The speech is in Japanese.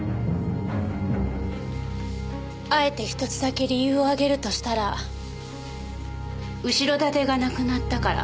あえて一つだけ理由を挙げるとしたら後ろ盾がなくなったから。